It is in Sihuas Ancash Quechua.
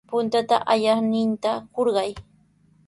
Puntata ayaqninta hurqay.